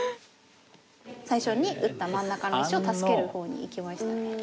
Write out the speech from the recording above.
最初に打った真ん中の石を助ける方にいきましたね。